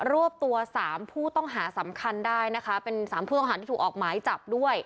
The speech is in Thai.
รวบตัวสามผู้ต้องหาสำคัญได้นะคะเป็นสามผู้ต้องหาที่ถูกออกหมายจับด้วย